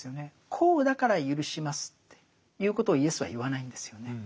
こうだからゆるしますっていうことをイエスは言わないんですよね。